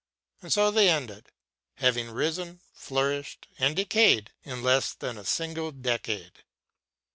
And so they ended, having risen, flourished, and decayed in less than a single decade.